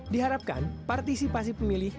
diharapkan partisipasi pemilih